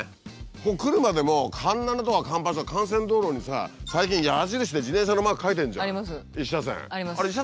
ここ来るまでも環七のとか環八の幹線道路にさ最近矢印で自転車のマーク描いてるじゃん１車線。